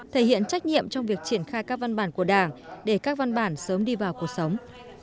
thể hiện trách nhiệm trong việc triển khai các văn bản của đảng để các văn bản sớm đi vào cuộc sống